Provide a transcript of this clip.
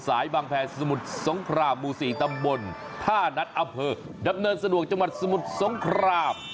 สายบางแผ่สมุทรสงคราบบูศีตำบลผ้านัดอัพเผอร์ดำเนินสะดวกจังหวัดสมุทรสงคราบ